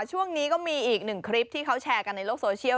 ช่วงนี้ก็มีอีกหนึ่งคลิปที่เขาแชร์กันในโลกโซเชียล